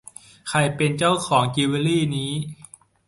ใครเป็นเจ้าของจิวเวอรี่นี้ ?